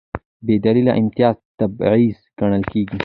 بېدلیله امتیاز تبعیض ګڼل کېږي.